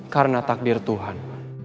karena takdir tuhan